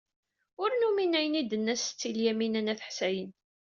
Ur numin ayen ay d-tenna Setti Lyamina n At Ḥsayen.